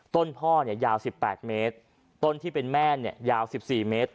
ต้นพ่อเนี่ยยาว๑๘เมตรต้นที่เป็นแม่เนี่ยยาว๑๔เมตร